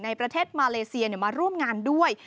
ประเทศมาเลเซียมาร่วมงานด้วย